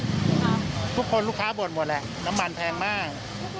ทุกคนลูกค้าบ่นหมดแหละน้ำมันแพงมาก